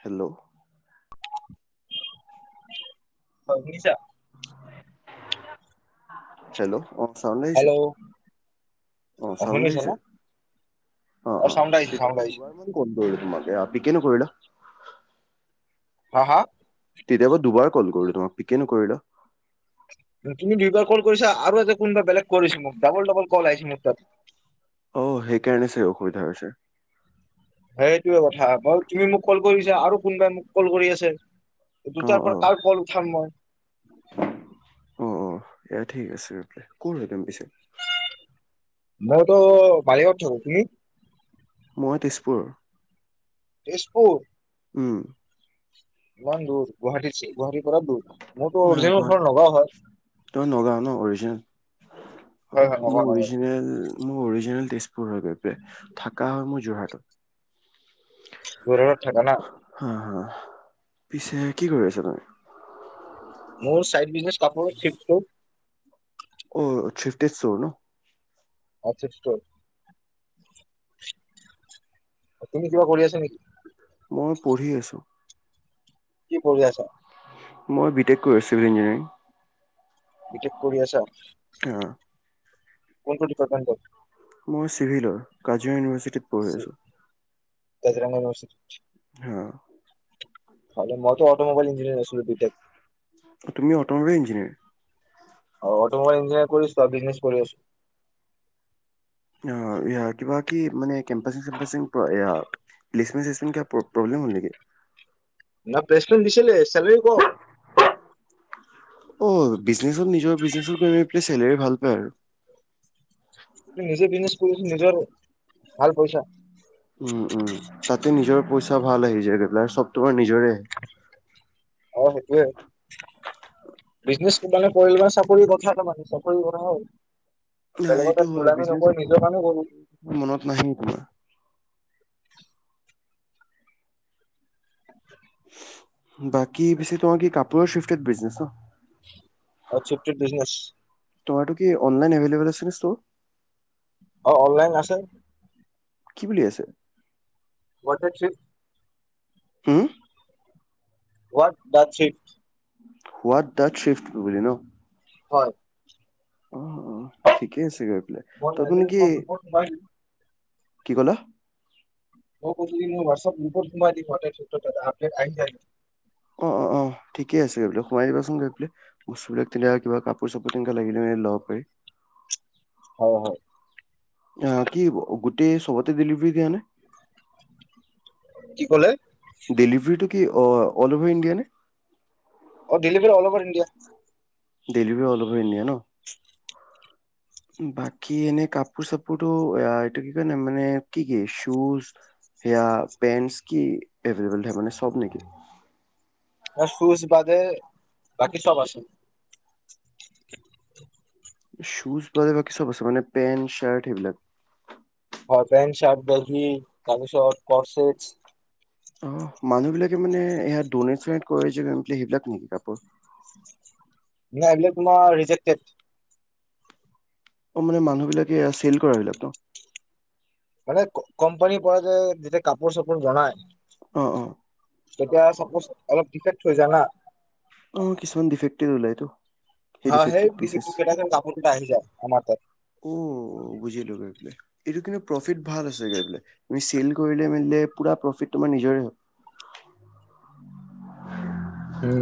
Hello অগ্নিছা hello! Sound আহিছে hello অ চাউড শুনিছা ন? আহিছে অ অ চাউণ্ড আহিছে চাউণ্ড তেতিয়াবা আহিছে। দুবাৰ মান কল কৰিলো তোমাক পিকে নকৰিলা হা হা? তেতিয়াবা দুবাৰ কল কৰো তোমাক পিকেই নকৰিল? তুমি দুইবাৰ কল কৰিছা আৰু এতে কোনোবা বেলেগ কৰিছ মোক ডাবল ডাবল কল আহিছে মোৰ তাত অ সেই কেনেছে অখৰি থেছে সেইটোয়ে কথা বাৰ তুমি মোক কল কৰিছা আৰু কোনবাই মোক কল কৰি আছে! অ দুটাৰ অ পৰা কাল কল উঠাম মই! অ অ এয়া ঠিক আছে ক'ত হম পিছে মইতো বাইগত থাকো তুমি মই তেজপুৰ তেজপুৰ [inaudible] উম। ক দূৰ গুৱাহাটী গুৱাহাটিৰ পৰা দূৰ মোৰতো ন ঘ অৰিজিনেল ঘৰ নগাঁও হয়। তই নগাঁও ন অৰিজিনেল অ হয় হয় মোৰ নগাঁও নগাঁও অৰিজিনেল মই অৰিজিনেলছ হৈ গৈ থাকা হয় মোৰ যোৰহাটত। ঘৰত থাকা না? হা পিছে কি কৰি আছা তুমি? মোৰ চাইড বিজনেচ কাপোৰ চিপটো অ চিফটি চৰ ন [unintelligible] আছা তুমি কিবা কৰি আছা নেকি? মই পঢ়ি আছো। কি পঢ়ি আছা? মই বি টেক কৰি আ বি টেক কৰি আছা? আহ। পন কটি পতটো মোৰ চিভিলৰ কাজুৱে ইনভাৰ বজিৰং ইনিভাৰ্চিটি হা। মইতো অটমোবাইল ইঞ্জিনিয়াৰ আছিলো বি টেক। অ তুমি অট'মোবাইল ইঞ্জিনিয়াৰ। অটমোবাইল ইঞ্জিনিয়াৰ কৰি আছোঁ। চ বিজনেছ কৰি আছো। অ কিবা কি মানে কেম্পাচে‌ চেম্পাচে প্লেচমেন্ট চচমেট ক প্ৰব্লেম হল নেকি প্লেচমেন্ত দিছিলে চেলেৰী কম অ বিজনেচত নিজৰ বিজনেচত গ মেল পেলাই চলেৰি ভাল পায় আৰু। ত নিজে বিজনেছ কৰিছ নিজৰ ভাল পইচা উম উম। তাতে নিজৰ পইচা ভাল আহি যায় গৈ পেলাই চব তোমাৰ নিজৰে আহে। অ সেইটোৱে বিজনেছ মানে কৰিলোনে চাকৰি কথা ত মানে চাকৰি কথা হ ন এইটো হয় বিজনেছ কৰো মনত নাহে তোমাৰ [unintelligible] বাকী বেছিটো কি কাপ তো শিফকত বিজনেছ! অ চি বিজনেছ তোমাৰতো কি অনলাইন এভেইলেবল আছে ন ছ। অ অনলাইন আছে। কি বুলি আছে? বত [unintelligible] হম! হোৱাত দা শিপট হোৱাট দাট শ্বিফ্ট বুলি ন। হয়। অ ঠিকেই আছে গৈ পেলাই মই তপনি লাগিলে কি মই গ্ৰুপত সোমাই দিম কি ক'লা? মই ক মই হোৱাটছআপ গ্ৰুপত সোমাই দিমত আপডেট আহি য অ অ অ ঠিকে আছে গৈ পেলাই সোমাই দিবাচোন গৈ পেলাই বস্তুবিলাক তেনে কিবা কাপোৰ চাপোৰ তেনেকা লাগিলে মেলি ল'ব পাৰি। হয় হয়। অ কি গোটেই সবতে ডেলিভাৰী দিয়া নাই? কি ক'লে ডেলিভৰিটো কি অ অল অভাৰ ইণ্ডিয়া নে দিলিভ অল অভ ইণ্ডিয়া দেলী অলপ হৈ নে ন [inaudible] বাকী এনে কাপোৰ চাপোৰটো এইটো কি ক ন মানে কি কি শুজ সেয়া পেন্ট কি এভলেবল মানে চব নেকি চুজ বাদে বাকী চব আছে শুজ ব বাকী চব আছে মানে পেণ্ট চাৰ্ট সেইবিলাক হয় পেণ্ট চাৰ্ট বেগি তাৰপিছত কৰ্চট অ মানুহবিলাকে মানে ইাত ড কৰে যে সেইবিলাক নেকি কাপোৰ নাই এইবিলাক তোমাৰ ৰিজেকটেড অ মানে মানুহবিলাকে চেল কৰাবিলাক ন মানে কোম্পানীৰ পৰা যে যেতিয়া কাপোৰ চাপোৰ জনায় অ অ তেতিয়া চাপজ অলপ দিষ থৈ যা না অ কিছুমান ডিফে্টি ওলটো হা সেই ডিফেক্ট কেইটা কাপোৰ কেইটা আহি যায় আমাৰ তাত অ বুজি লব এইবো এইটো কিন্তু ভ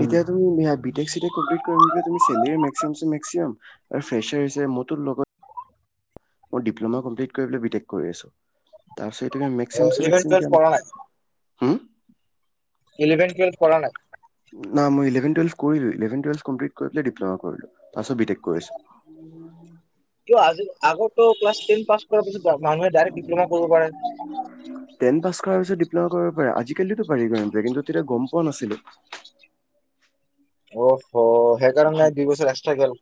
এতিয়া তুমি ম্ট কৰিম তমি মেিাম মে্সিমাম আৰুেচাৰ মত লগত ইপ্ তাৰপিছত এই অ মে্ি ইলেভেন টুৱেলভ কৰা ম্ি নাই কে হা ইলেভে টুৱেল্ভ কৰা নাই নাই মইভেনটেল কৰিলো্ল ডপ্ল কৰিলো আজ আগতো ক্লাছ টেন পাছ কৰাৰ পিছত মানুহে ডাইৰেক্ট ডিপ্ল'মা কৰিব পাৰে াৰ পিছত ডিপ্লমা কৰিব পাৰে আজিকালিো বাঢ়ি গম প কিন্তু তেতিয়া গম পোৱা নাছিলো অ হ সেই কাৰণ ভাব নাই দু বছৰ এক্সট্ৰা গল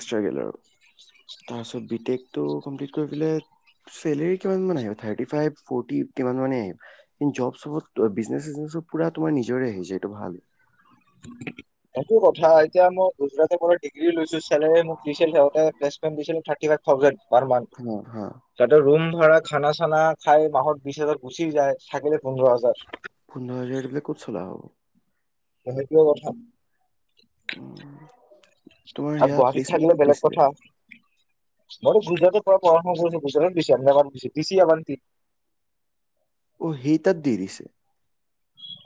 [inaudible] একো কথা এতিয়া মই গুজৰাট ব ডিগ্ৰী লৈছো চেলেী মোক দিছিল সহঁতে প্লেচমেণ্ট দিছিল থাৰ্টি ফাইভ থাউজেণ্ড প ম হা হা ৰুম ভ় খানা চানা খাই মাহত বিশ হাজাৰ গুচি যায় থাকিলে পোন্ধৰ হাজাৰ পোন্ধৰ হাজাৰ গিলাক ক'ত চল হব সেইটোয়ে কথা উম, তোমাৰ আৰু সেয়া গুৱাহাটীত প্লেচমেণ্ট থাকিলে ক'ত বেলেগ দিছিলে কথা মইতো গুজৰাটত পুজ দিছ এনে ব দিছ দিছি ব্ধি অ হি তত দিৰিছে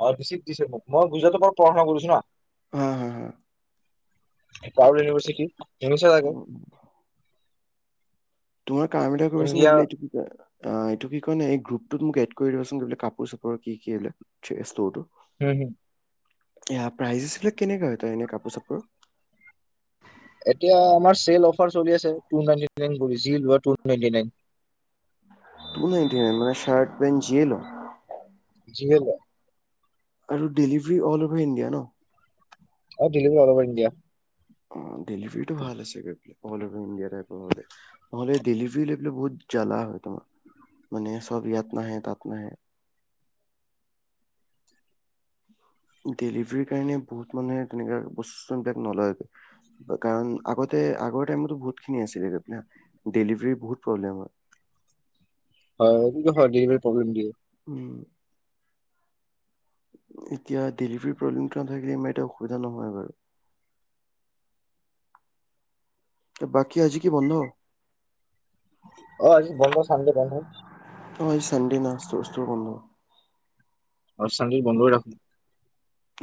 অ দি দিছে মই গুজৰাটৰ পৰা পাৰা্না কৰিছো ন হ হা হ পউল ইউনিভাৰ্চিটি ঘনিছ আাকৌ অ', তোমাৰ কাৰাচোন কি ক এইটো কি ক? ত মোক এড কৰি দিবাচোন কি বোলে কাপোৰ চাপোৰ কি - কি বোলেষ্টৰটো। হম ', -হম', এ প্ৰাইজেছ বিলাক কেনেকা হয় তই এনে কাপোৰ চাপোৰ। এতিয়া আমাৰ চেল অফাৰ চলি আছে টু নাইটি। যি লোৱা টু নাইনটি নাইন। ত নাই মানে চাৰ্ট পেণ্ট জিল। জিহে ল। আৰু ডেলিভাৰী অল অভাৰ ইণ্ডিয়া ন। Delivery all over India. অহ ', ডেলিভাৰীটো ভাল আছে গৈ অলভাৰ ইণ্ডিয়া নহলে ডেলিভাৰ লৈ বহুত জ্বালা হয় তোমাৰ মানে চব ইয়াত নাহে তাত নাহে। ডেলিভাৰীৰ কাৰণে বহুত মানুহে তেনো বস্তুবিলাক নলয়গৈ কাৰণ আগতে আগৰ টাইমতো বহুতিন আছিল ডেলিভাৰী বহুত প্ৰব্লেম হয়। হয় ডেলিভাৰী প্ৰবলেম দিয়ে। উম', এতিয়া ডেলিভাৰ প্ৰব্লেম নাথাকিলে ইাৰ এতি অসুবিধা নহয় বাৰু। বাকী আজি কি বন্ধ? অহ ', আজি বন্ধ চানডে বন্ধ। চডে না স্তৰ স্তৰ বন্ধ। চানডে বন্ধ কৰি ৰাখো।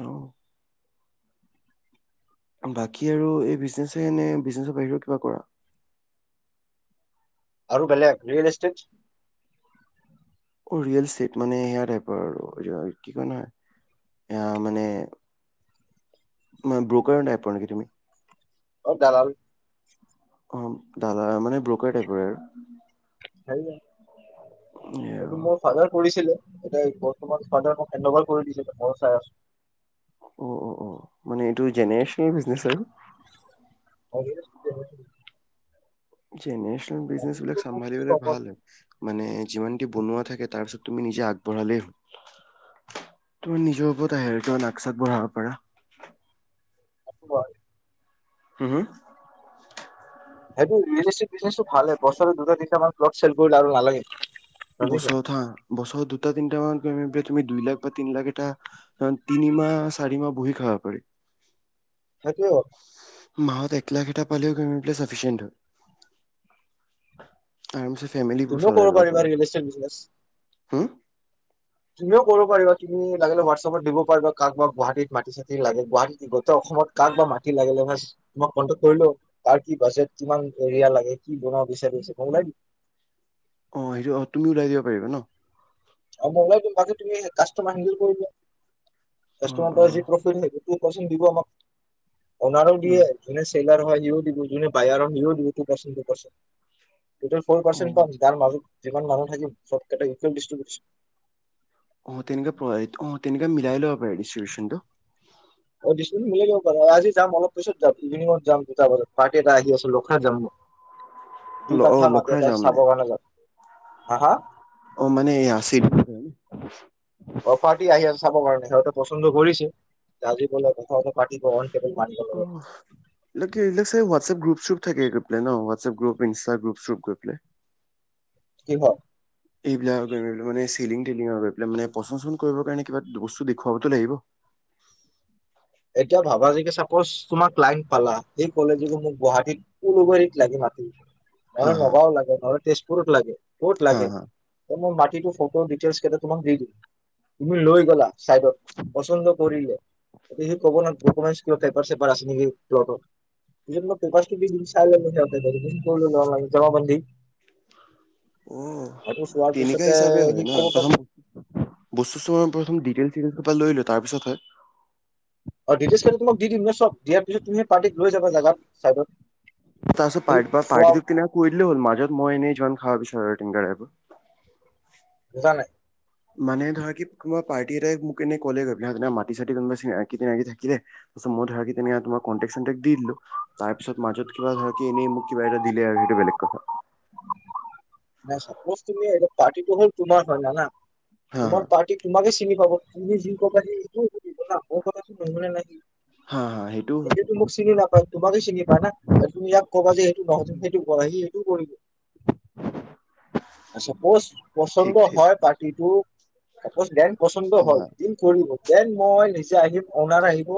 অহ ', বাকী আৰু এই বিজনেছহেনে- বিজনেছৰ বাহিৰত কিবা কৰা? আৰুাৰ বেলেগ ৰিয়েলছস্তিকচ। অহ ', ৰিয়েল ষ্টেট মানে সেয়া টাইপৰ আৰু কি কয় নহয় এয়া মানে। মই ব্ৰ'কৰণ্। পগমি [unintelligible] অহ ', দালাল অহ ', দালা মানে ব্ৰ'কাৰ টাইপৰে আৰু হেল্ল ', এয়া এইটো মোৰ ফাদাৰ কৰিছিলে। এতিয়া বৰ্তমান ফাদাৰ মোক হেণ্ডঅভাৰ কৰি দিছিলে মই চাই আছো। অহ - অহ - অহ মানে এইটো জেনেৰেচনেল বিজনেচ আৰু। যেনেৰেচনেল বিজনেচ বিলাক চম্ভালিব ভাল মানে যিমান দি বনোৱা থাকে তাৰ পিছত তুমি নিজে আগবঢ়ালেই হল তোমাৰ নিজৰ ওপৰত আহে আৰু ত নচাত বঢ়াব পাৰা। আ [inaudible] হম', - হম ', সেইটোয়েলনে ভাল বছৰে দুটা তিনিটা মান চেল কৰিলে আৰু নালাগে। বুজিছা বছত হা বস দুটা তিনিটা মান। তুমি দুই লাখ বা তিনি লাখ এটা তিনিমাহ চাৰি মাহ বহি খাবা পাৰি। সেইটোৱে কথা মাহত এক লাখ এটা পালিওফিচিয় হয়। ফেমিলিবোৰ তুমিও চাই ল'ব পাৰি। হুম [unintelligible] তুমিও কৰিব পাৰা তুমি লাগিলে হোৱাটছপত দিব পাৰিবা কাক বা গুৱাহাটীত মাটি চি লাগে গুৱাহীত গোটেই অসমত কাক বা মাটি লাগিলে ম তোমাক কণ্টেক কৰিলো তাৰ কি বাজেট কিমান এৰিয়া লাগে কি বনাব বিচাৰিছে কলাই নেকি? অ সেইটো অ তুমি ওলাই দিব পাৰিবা ন ম'বাইল কোম্পানীত তুমি কাষ্টমাৰ হেন্দেল কৰিবা অঁ কষ্টমাৰ অঁ পৰা প্ৰফিট যি তোৰ পাৰ্চেন্ট দিব আমাক অ'নাৰ উ দিয়ে অঁ জুনে চেলাৰ হয় নিউ দিব জুনে বাহাৰৰ নিউ দিব তো টো পছে এতিয়া ফৰ অঁ পাৰ্চৈণ্ট কম যিমান মানুহ থাকি চবকেটা ই অ তেনেকে অ তেনেকে মিলাই লৈ [unintelligible] অ মিলাই দিব পাৰা আজি যাম অলপ পিছত যাম ইভিনিঙত যাম দুটা বজাত পাৰ্টি এটা আহি আছে লখৰা যাম ম অ লখৰা যাম মানে হা হা অ মানে এইয়া আছিল। [unintelligible] অ পাৰ্টি আহি আছে চাব কাৰণে সিহঁত পচন্দ কৰিছে আজি কলে কথা পাৰ্টি অন টেবুল মানিব অ লাগে হোৱাটছএপ গ্ৰুপ চুপ থাকে গৈ পেলাই ন হোৱাটছএপ গ্ৰুপ ইনষ্টাগ গ্ৰুপ চপ গৈ পেলাই কিহৰ? এইবিলাক মানে টিলিং টিলিং লৈ পেলাই মানে পচন্দ চচন্দ কৰিবৰ কাৰণে কিবা বস্তু দেখুৱাবতো লাগিব। কৈছ তোমাক লাইন পালা সেই কলে যে মোক গুৱাহাটীত উলুবাৰীত লাগে মাতি মানে হা হা নগাঁও লাগে নহ'লে তেজপুৰত লাগে ক'ত হা লাগে হা মোৰ মা কিন্তু ফটো ডিটেইলছ কেইটা তোমাক দি দিম তুমি লৈ গলা চাইডত পচন্দ কৰিলে তে সি ক' ব ডকুমেণ্টছ পেপাৰ চেপাৰ আছে নেকি লগত জেনিবা পেপাৰছ খিনি চাই ললে অ তেনেকে হিচাপে হয় সি ন ক'ব পাৰে প্ৰথম বস্তু প্ৰথম ডিটেইল তাৰপিছত হয় অ ডিটেইলছ খিনি তোমাক দি দিম ন চব দিয়া তুমি পাৰ্টিক লৈ যাবা জাগাত। [unintelligible] তাৰ পিছত সি পাৰ্ট চোৱা পাৰ্টিটো কিনে কৈ দিলে হ'ল মাজত মই এনেই জৈন আহা পিছত এৰাই দিম গাড়ী পা বুজা নাই? মানে ধৰা কি কোনবা পাৰ্টি এটাই মোক এনে কলে গৈ পেলে কোনোবা মাটি চাতি কোনবা চিনাকি তিনাকি থাকিলে চোৱা মই ধৰা কি তেনেকাটো কন্তেক চন্তেক দি দিলোঁ তাৰপিছত মাজত কিবা ধৰা কি এনেই মোক কিবা এটা দিলে আৰু সেইটো বেলেগ কথা। [unintelligible] না চাপোজ তুমি এইটো পাৰ্টিটো হ'ল তোমাৰ হয় জানা হা হা তোমাৰ পাৰ্টিত তোমাকে চীনী হ'ব তুমি যি কবা সেইটো [unintelligible] মোৰ কথাটো নোহোনে ন সি হা হা সেইটোও হয় এতিয়াতো মোক চিনি নাপায় তোমাকে চিনি পায় না তুমি ইয়াক কবা যে সেইটো নহয় তুমি সেইটো কৰা সি [unintelligible] চাপোজ ঠিক পচন্দ ঠিক হয় পাৰ্টিটো চাপোজ দেন পচন্দ হা হা। হয় দিন কৰিব দেন মই ৰে যে আহি অনাৰ আহিব